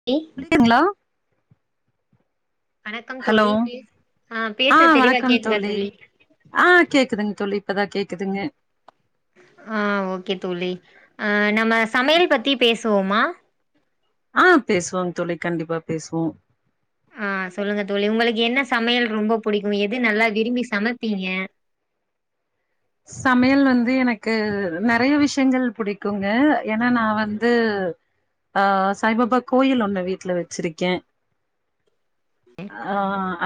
ம் கேக்குதுங்களா வணக்கம் ஹலோ தோழி பேஸ் ஆ பேச தெளிவா வணக்கம் கேக்குதா தோழி ஆ கேக்குதுங்க தோழி இப்பதா கேக்குதுங்க ஆ ஓகே தோழி நம்ம சமையல் பத்தி பேசுவோமா ஆ பேசுவோங்க தோழி கண்டிப்பா பேசுவோ ஆ சொல்லுங்க தோழி உங்களுக்கு என்ன சமையல் ரொம்ப புடிக்கு எது நல்லா விரும்பி சமப்பீங்க சமையல் வந்து எனக்கு நெறையா விஷயங்கள் புடிக்குங்க ஏன்னா நா வந்து ஆ சாய்பாபா கோயில் ஒண்ணு வீட்ல வச்சிருக்கே ஆ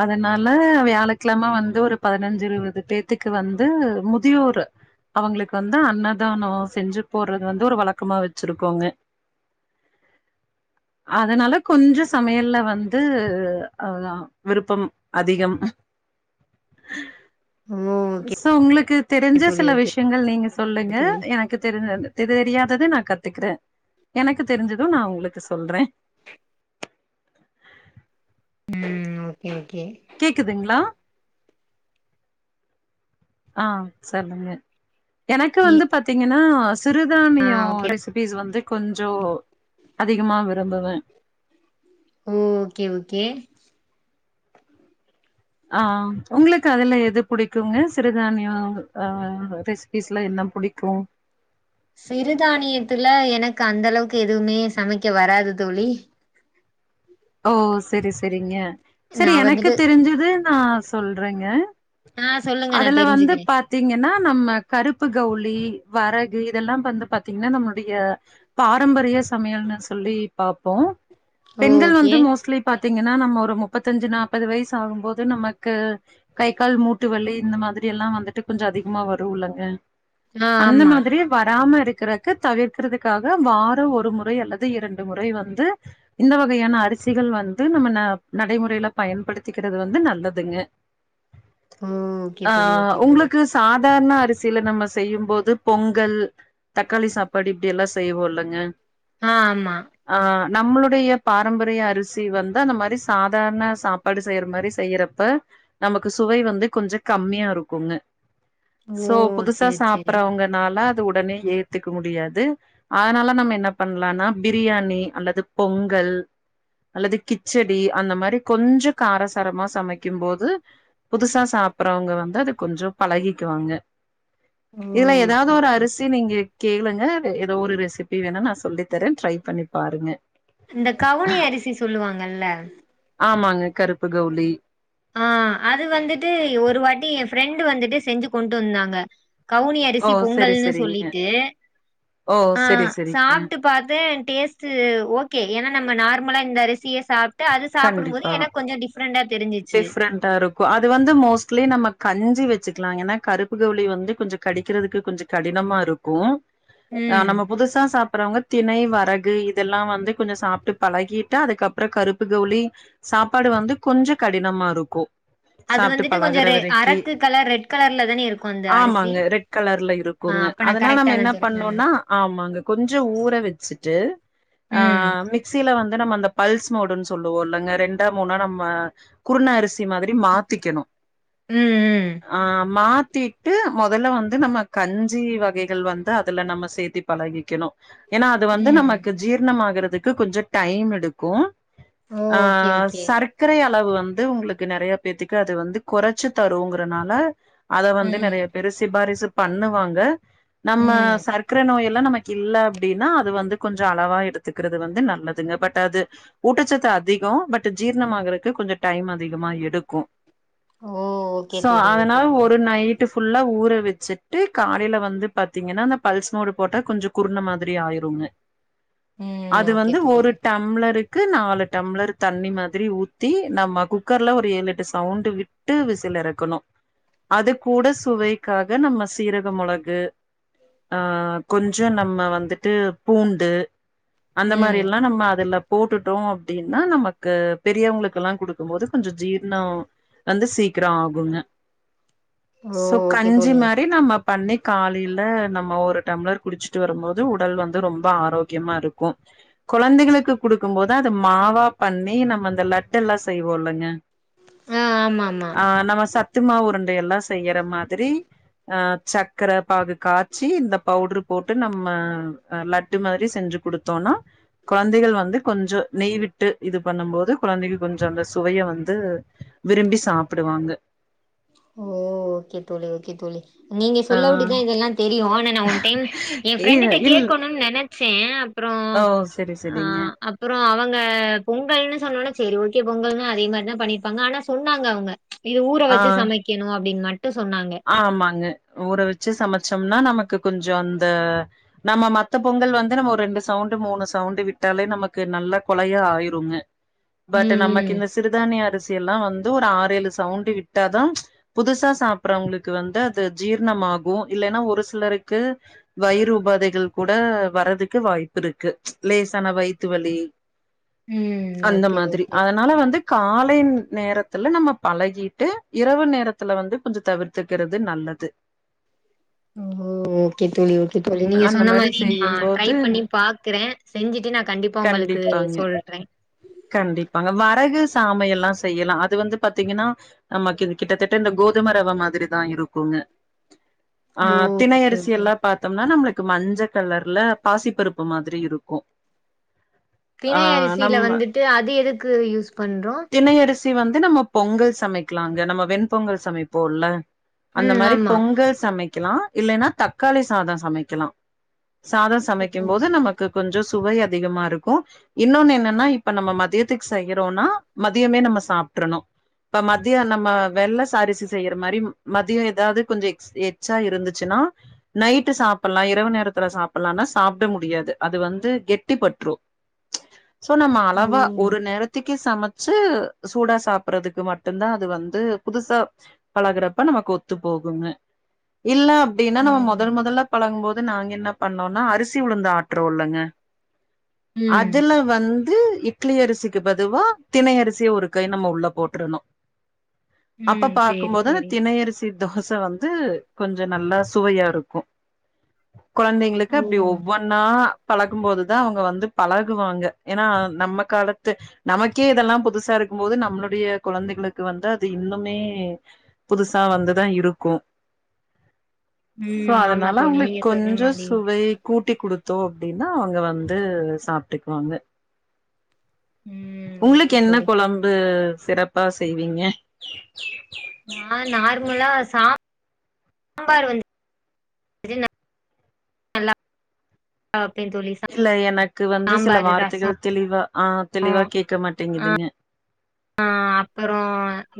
அதனால வியாழக்கெழம வந்து ஒரு பதினஞ்சி இருவது பேத்துக்கு வந்து மு தியோர் அவங்களுக்கு வந்து அன்னதானோ செஞ்சி போட்றது வந்து ஒரு வழக்கமா வச்சிருக்கோங்க அதனால கொஞ்சோ சமையல்ல வந்து அதுதா விருப்பம் அதிகம் ஓ ஓகே சோ உங்களுக்கு தெரிஞ்ச தோழி சில ஓகே விஷயங்கள் நீங்க சொல்லுங்க தோழி எனக்கு தெரிஞ்ச தெரியாதத நா கத்துக்குறே எனக்கு தெரிஞ்சது நா உங்களுக்கு சொல்றே ம் ஓகே ஓகே கேக்குதுங்களா ஆ சொல்லுங்க எனக்கு ஏ வந்து பாத்தீங்கன்னா ஆ சிறுதானியோ ஓகே ரெசிபீஸ் வந்து கொஞ்சோ அதிகமா விரும்புவே ஓ ஓகே ஓகே ஆ உங்களுக்கு அதுல எது பிடிக்குங்க சிறுதானியோ ஆ ரெசி பீஸ்ல என்ன புடிக்கு சிறுதானியத்துல எனக்கு அந்த அளவுக்கு எதுவுமே சமைக்க வராது தோழி ஓ செரி செரிங்க சரி நா எனக்கு வந்துட்டு தெரிஞ்சது நா சொல்றேங்க ஆ சொல்லுங்க நா அதுல வந்து தெரிஞ்சுக்கிறே பாத் தீங்கன்னா நம்ம கருப்பு கவுளி வரகு இதெல்லா வந்து பாத்தீங்கன்னா நம்மளுடைய பாரம்பரிய சமையல்ன்னு சொல்லி பாப்போ பெண்கள் வந்து ஓகே மோஸ்ட்லி பாத்தீங்கன்னா நம்ம ஒரு முப்பத்தஞ்சி நாப்பது வயசு ஆகும் போது நமக்கு கை கால் மூட்டு வலி இந்த மாரி எல்லா வந்துட்டு கொஞ்சோ அதிகமா வரு இல்லங்க ஆ அந்த ஆமா மாதிரி வராம இருக்குறக்கு தவிர்க்கறதுக்காக வாரோ ஒரு முறை அல்லது இரண்டு முறை வந்து இந்த வகையான அரிசிகள் வந்து நம்ம ந நடைமுறையில பயன்படுத்திக்கிறது வந்து நல்லதுங்க ஓ ஓகே ஆ தோழி ஓகே தோழி உங்களுக்கு சாதாரண அரிசியில நம்ம செய்யும்போது பொங்கல் தக்காளி சாப்பாடு இப்டி எல்லா செய்வோ இல்லங்க ஆ ஆமா ஆ நம்மளுடைய பாரம்பரிய அரிசி வந்தா அந்த மாரி சாதாரண சாப்பாடு செய்யற மாரி செய்யறப்ப நமக்கு சுவை வந்து கொஞ்சோ கம்மியா இருக்குங்க ஓ சோ புதுசா சேரி சேரி சாப்பறவங்க நால்லா அத உடனே ஏத்துக்க முடியாது அதனால நம்ம என்ன பண்ணலானா பிரியாணி அல்லது பொங்கல் அல்லது கிச்சடி அந்த மாரி கொஞ்சோ கார சரமா சமைக்கும்போது புதுசா சாப்பிறவங்க வந்து அத கொஞ்சோ பழகிக்குவாங்க ஓ இதெல்லா எத் ஓகே ஏதாவது ஒரு ஓகே அரிசி நீங்க கேளுங்க ஏதோ ஒரு ரெசிபி வேணா நா சொல்லித்தரே ட்ரை பண்ணி பாருங்க இந்த கவுனி அரிசி சொல்லுவாங்கல்ல ஆமாங்க கருப்பு கவுளி ஆ அது வந்துட்டு ஒரு வாட்டி எ ஃப்ரெண்டு வந்துட்டு செஞ்சு கொண்டு வந்தாங்க கவுனி ஓ அரிசி சரி பொங்கல்னு சரிங்க சொல்லிட்டு ஓ ஆ சரி சரிங்க சாப்ட்டு பாத்தே டேஸ்ட்டு ஓக்கே ஏன்னா நம்ம நார்மலா இந்த அரிசிய சாப் ட்டு அது சாப்டும் போது எனக்கு கொஞ்சு டிஃப்ரெண்டா தெரிஞ்சு டிஃப்ரன் ன்டா இருக்கு அது வந்து மோஸ்ட்லி நம்ம கஞ்சி வெச்சுக்கலா ஏன்னா கருப்பு கவுளி வந்து கொஞ்சு கடிக்கிறதுக்கு கொஞ்சு கடினமா இருக்கு ஆ ம் நம்ம புதுசா சாப் புறவங்க தினை வரகு இதெல்லா வந்து கொஞ்சு சாப்ட்டு பழகிட்டா அதுக்கப் அப்புறோ கருப்பு கவுளி சாப்பாடு வந்து கொஞ்சோ கடினமா இருக்கோ அது சாப்ட்டு வந்துட்டு கொஞ்சோ பழகுற ரெ வரைக்கி அரக்கு கலர் ரெட் கலர்ல தானே இருக்கு அந்த அரிசி ஆமாங்க ரெட் கலர்ல இருக் ஆ ங்க அப்ப நா அதனா கரெக்டா நம்ம தா என்ன சொன்னே பண்ணூனா ஆமாங்க கொஞ்சு ஊற வெச்சுட்டு ஆ ம் மிக்சில வந்து நம்ம அந்த பல்ஸ் மோடுன்னு சொல்லுவோ இல்லங்க ரெண்டோ மூணோ நம்ம குருந அரிசி மாதிரி மாத்திக்கணு ம் ம் ஆ மாத்திட் ட்டு மொதல்ல வந்து நம்ம கஞ்சி வகைகள் வந்து அதுல நம்ம சேர்த்தி பழகிக்கணு ஏன்னா அது வந்து ம் ம் நமக்கு ஜீர்ணமாகுறதுக்கு கொஞ்சு டைம் எடுக்கு ஓ ஆ ஓகே ஓகே சர்க் கரை அளவு வந்து உங்களுக்கு நெறையா பேத்துக்கு அது வந்து கொறைச்சு தருங்கறனால அத வந்து நெறைய ம் பேரு சிபாரிசு பண்ணுவாங்க நம்ம ம் ச க்கர நோய் எல்லா நமக்கு இல்ல அப்படின்னா அது வந்து கொஞ்சு அளவா எடுத்துக்கிறது வந்து நல்லதுங்க பட் அது ஊட்டச்சத்து அதிகோ பட் ஜீரணம் ஆகுறதுக்கு கொஞ்சு டைம் அதிகமா எடுக்கு ஓ ஓகே சோ தோழி ஓகே அதனால தோழி ஒரு நைட் நைட்டு ஃபுல்லா ஊற வெச்சுட்டு காலையில வந்து பாத்தீங்கன்னா அந்த பல்ஸ் மோடு போட்டா கொஞ்சு குறுன மாதிரி ஆயிருங்க ம் அது ஓகே வந்து தோழி ஒரு டம்ளரு க்கு நாலு டம்ளர் தண்ணி மாதிரி ஊத்தி நம்ம குக்கர்ல ஒரு ஏழு எட்டு சவுண்ட் விட் விட்டு விசில் எறக்கணு அது கூட சுவைக்காக நம்ம சீரக மொளகு ஆ கொஞ்சு நம்ம வந்துட்டு பூண்டு அந்த மாரி ம் எல்லா நம்ம அதுல போட்டுட்டோ அப்படின்னா நமக்கு பெரியவங்களுக்கெல்லா குடுக்கு போது கொஞ்சு ஜீர்ணோ வந்து சீக்கிரோ ஆகுங்க ஓ சோ ஓகே கஞ்சி தோழி மாரி நம்ம பண்ணி காலையில நம்ம ஒரு டம்ளர் குடிச்சிட்டு வரும்போது உடல் வந்து ரொம்போ ஆரோக்கியமா இருக்கு கொழந்தைகளுக்கு குடுக்கும் போது அத மாவா பண்ணி நம்ம அந்த லட்ட எல்லா செய்வோ இல்லங்க ஆ ஆமா ஆமா ஆ நம்ம சத்துமாவு உருண்டை எல்லா செய்யிற மாதிரி ஆ சக்கர பாகு காச்சி இந்த பவுடரு போட்டு நம்ம லட் லட்டு மாதிரி செஞ்சு கொடுத்தோனா கொழந்தைகள் வந்து கொஞ்சோ நெய் விட்டு இது பண்ணும் போது கொழந்தைங்க கொஞ்சோ அந்த சுவைய வந்து விரும்பி சாப்புடுவாங்க ஓ ஓகே தோழி ஓகே தோழி நீங்க ஆ சொல்லபடிதா இதெல்லா தெரியு ஆனா நா ஒன் டைம் எ இ ஃப்ரெண்டுட்ட இல் கேட்கணுன் நெனச் ச்சே அப்புறோ ஓ செரி ஆ செரிங்க அப் அப்புறோ அவங்க பொங்கல்ன்னு சொன்னோனா செரி ஓகே பொங்கல் தா அதே மாரி தா பண்ணியிருப்பாங்க ஆனா சொன்னாங்க அவ்ங்க இது ஊற ஆ வச்சு சமைக்கணு அப்டின் மட்டு சொன்னாங்க ஆமாங்க ஊற வச்சு சமச்சம்னா நமக்கு கொஞ்சோ அந்த நம்ம மத்த பொங்கல் வந்து நம்ம ஒரு ரெண்டு சவுண்டு மூணு சவுண்டு் விட்டாலே நமக்கு நல்லா கொலையா ஆயிருங்க பட் நமக்கு ம் ம் இந்த சிறுதானிய அரிசி எல்லா வந் து ஒரு ஆரேழு சவுண்ட் விட்டாதா புதுசா சாப் சாப்புறவங்களுக்கு வந்து அது ஜீர்ணமாகு இல்லென்னா ஒரு சிலருக்கு வயிறு உபாதைகள் கூட வர்றதுக்கு வாய்ப்பு இருக்கு லேசான வயித்து வலி ம் அந்த ஓகே மாதிரி ஓகே அதனால வந்து காலை நேரத்துல நம்ம பழகிட்டு இரவு நேரத்துல வந்து கொஞ்சோ தவிர்த்துக்கிறது நல்லது ம் ம் ஓகே தோழி ஓகே தோழி நீங்க அந்த சொன்ன மாரி நா ட்ரை செய்யும்போது பண்ணி பாக்குறே செஞ்சிட்டு நா கண்டிப்பா உங்களுக்கு கண்டிப்பாங்க சொல்றே கண்டிப்பாங்க வரகு சாமை எல்லா செய்யலா அது வந்து பாத்தீங்ன்னா நமக்கு இது கிட்டத்தட்ட இந்த கோதும ரவ மாதிரிதா இருக்குங்க [inaudible] ஆ தினை ஓகே அரிசி ஓகே எல்லா பாத்தோம்னா நம்மளுக்கு மஞ்ச கலர்ல பாசிப்பருப்பு மாதிரி இருக்கு ஆ திணை அரிசியில நம்ம வந்துட்டு அது எதுக்கு யூஸ் பண்றோ தி வந்து நம்ம பொங்கல் சமைக்கலா இந்த நம்ம வெண்பொங்கல் சமைப்போல்ல அந்த ம் மாரி ஆமா பொங்க சமைக்லா இல்லென்னா தக்காளி சாதோ சமைக்கலா சாதோ ஓ சமைக்கும் போது நமக்கு கொஞ்சோ சுவை அதிகமா இருக்கு இன்னொன்னு என்னன்னா இப்ப நம்ம மதியத்துக்கு செய்யறோனா மதியமே நம்ம சாப்ட்றணு இப்ப மதிய நம்ம வெள்ள சாரிசி செய்யற மாரி மதியோ ஏதாவ்து கொஞ்சோ எச்சா இருந்துச்சுன்னா நைட்டு சாப்புட்லா இரவு நேரத்துல சாப்ட்லானா சாப்ட முடியாது அது வந்து கெட்டிப்பட்று [inaudible] சோ நம்ம அளவா ம் ஒரு நேரத்துக்கே சமச்சு சூடா சாப்பறதுக்கு மட்டுதா அது வந்து புதுசா பழகுறப்ப நமக்கு ஒத்து போகுங்க இல்ல அப்டின்னா நம்ம ம் மொதல் மொதலா பழகும் போது நாங்க என்ன பண்ணோனா அரிசி உளுந்து ஆட்றோ ல்லங்க ம் அதுல வந்து இட் ட்லி அரிசிக்கு பதுவா திணை அரிசிய ஒரு கை நம்ம உள்ள போட்டுரணு அப்ப ம் சேரி பாக்கும்போது அந்த சேரி தினையரிசி தோச வந்து கொஞ்சோ நல்லா சுவையா இருக்கு கொழந்தைங்களுக்கு அப்டி ம் ஒவ்வொன்னா பழக்கும் போதுதா அவங்க வந்து பழகுவாங்க ஏனா நம்ம காலத்து நமக்கே இதெல்லா புதுசா இருக்கும் போது நம்மளுடைய கொழந்தைகளுக்கு வந்து அது இன்னுமே புதுசா வந்துதா இருக்கு சோ ம் ஆமா அதனால தோழி அவங்களுக் நீங்க சொன்ன கொஞ்சோ மாரி சுவை கூட்டி குடுத்தோ அப்டின்னா அவங்க வந்து சாப்டுக்குவாங்க ம் ஓகே உங்களுக்கு என்ன தோழி கொழம்பு சிறப்பா செய்வீங்க நா நார்மலா சா ம்பார் வந்து [inaudible] நல்லா [inaudible] தோழி இல்ல எனக்கு வந்து சில சாம்பாரு ரசோ வார்த்தைகள் தெளிவா ஆ தெளிவா கேக்க மாட்டேங்குதுங்க ஆ அப்பறோ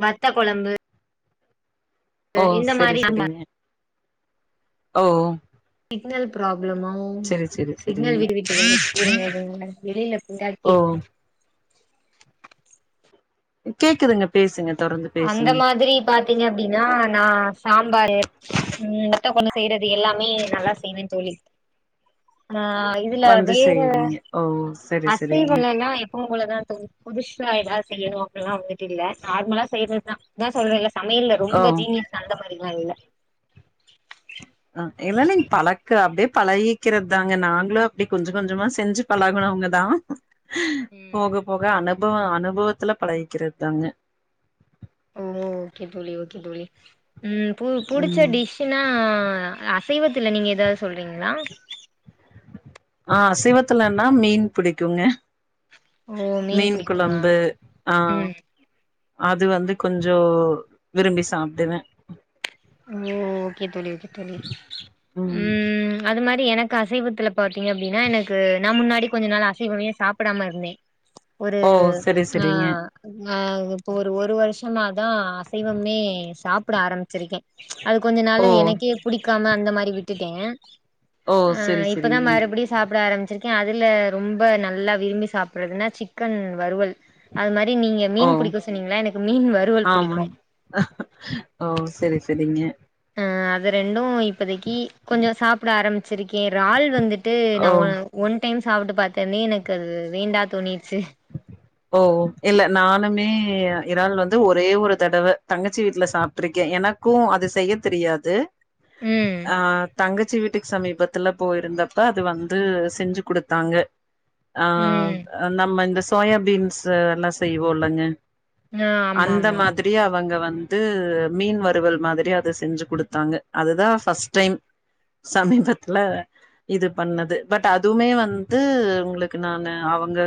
வத்த கொழம்பு ஓ இந்த செரி மாரி செரிங்க ஓ சிக்னல் ப்ராப்ளமோ சரி சரி சிக்னல் சரிங்க. வீடுவிட்டு வருது இருங்க இருங்க வெளில [inaudible] ஓ கேக்குதுங்க பேசுங்க தொடர்ந்து அந்த பேசுங்க மாதிரி பாத்தீங்க அப்டின்னா நா சாம்பாரு ம் வத்த [inaudible] செய்றது எல்லாமே நல்லா செய்யவே தோழி ஆ இதுல வந்து வேற செய்வீங்க. ஓ சரி அசை [inaudible] சரிங்க. அவ்வளதா தோழி புதுசா எதாவது செய்யணு அப்பல்லா வந்துட்டு இல்ல நார்மலா செய்யறதுதா அதா சொல்றல்ல சமையல்ல ஓ ரொம்ப ஜீனியஸ் அந்த மாரிலா இல்ல அ எல்லாமே தலக்கு அப்டியே பழகி கிறது தாங்க நாங்களு அப்டி கொஞ்ச கொஞ்சமா செஞ்சு பழகணவங்க தா ம் போக போக அனுபவ அனுபவத்துல பழகிக்கறது தாங்க ஓ ஓகே தோழி ஓகே தோழி ம் பு புடிச்ச ம் டிஷ் தின்னா அசைவத்துல நீங்க எதாவ் சொல்றீங்களா ஆ அசைவத்துலன்னா மீன் புடிக்குங்க ஓ மீன் புடிக்குமா கொழம்பு ஆ ம் அது வந்து கொஞ்சோ விரும்பி சாப்டுவே ஓ ஓகே தோழி ஓகே தோழி ம் அது மாரி எனக்கு அசைவத்துல பாத்தீங்க அப்டின்னா எனக்கு நா முன்னாடி கொஞ்ச நாள் அசைவமே சாப்படாம இருந்தே ஒரு ஓ செரி ஆ செரிங்க ஆ இப்போ ஒரு ஒரு வருஷமாதா அசைவமே சாப்பட ஆரம்பிச்சிருக்கே அது கொஞ்ச நாளு ஓ எனக்கே புடிக்காம அந்த மாரி விட்டுட்டே ஓ ஆ செரி இப்பதா செரிங்க மறுபடியு சாப்பட ஆரம்பிச்சிருக்கே அதுல ரொம்ப நல்லா விரும்பி சாப்புடுறதுன்னா சிக்கன் வறுவல் அது மாரி நீங்க ஓ மீன் புடிக்கு சொன்னீங்கள எனக்கு மீன் வறுவல் புடிக்கு ஆமாங் ஓ செரி செரிங்க ஆ அது ரெண்டு இப்பதைக்கி கொஞ்சோ சாப்பட ஆரம் பிச்சிருக்கே ரால் வந்துட்டு ஓ நா ஒ ஒன் டைம் சாப்புட்டு பாத்தொன்னே எனக்கு அது வேண்டா தோணிருச்சு ஓ இல்ல நானுமே இறால் வந்து ஒரே ஒரு தடவ தங்கச்சி வீட்டுல சாப்ட்ருக்கே என க்கு அது செய்ய தெரியாது ம் ஆ தங்கச்சி வீட்டுக்கு சமீபத்துல போயிருந்தப்ப அது வந்து செஞ்சி குடுத்தாங்க ஆ ம் நம்ம இந்த சோயாபீன்ஸ் எல்லா செய்வோ இல்லங்க ஆ ஆமா அந்த ஆமா மாதி ரி அவங்க வந்து மீன் வறுவல் மாதிரி அத செஞ்சு குடுத்தாங்க அதுதா பஸ்ட் டைம் சமீபத்துல இது பண்ணது பட் அதுவுமே வந்து உங்களுக்கு நானு அவங்க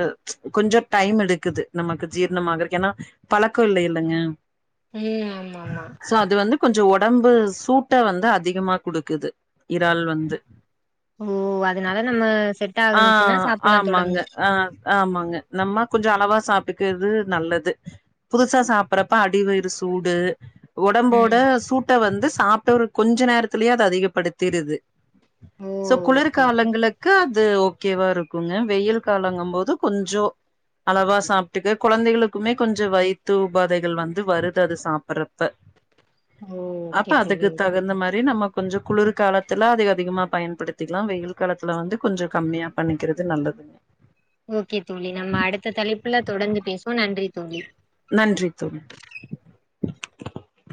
கொஞ்சோ டைம் எடுக்குது நமக்கு ஜீர்ணமாகறதுக்கு ஏன்னா பழக்க இல்லைலங்க ம் ஆமா ஆமா சோ அது வந்து கொஞ்சோ உடம்பு சூட்டை வந்து அதிகமா குடுக்குது இறால் வந்து ஓ அதனால நம்ம செட் ஆ ஆகனுச்சுன்னா சாப்டலா ஆமாங்க தொடர்ந்து ஆ ஆமாங்க நம்ம கொஞ்சோ அளவா சாப்ட்டுக்கிறது நல்லது புதுசா சாப்பறப்ப அடிவயிறு சூடு உடம்போட ம் சூட்டை வந்து சாப்ட்ட ஒரு கொஞ்சோ நேரத்துலயே அத அதிகப்படுத்திருது ஓ சோ ஓகே ஓகே குளிர்காலங்களுக்கு அது ஓகேவா இருக்குங்க வெயில் காலங்கு போது கொஞ்சோ அளவா சாப்ட்டுக்க கொழந்தைகளுக்குமே கொஞ்சோ வயிற்று உபாதைகள் வந்து வருது அது சாப்பறப்ப ஓ அப்ப ஓகே அதுக்கு தோழி ஓகே தகுந்த தோழி மாரி நம்ம கொஞ்சோ குளிர் காலத்துல அத அதிகமா பயன்படுத்திக்கலா வெயில் காலத்துல வந்து கொஞ்சோ கம்மியா பண்ணிக்கிறது நல்லதுங்க ஓகே தோழி நம்ம அடுத்த தலைப்புல தொடர்ந்து பேசுவோ நன்றி தோழி நன்றி தோழி